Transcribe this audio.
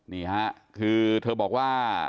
นี่ค่ะคือเธอบอกว่า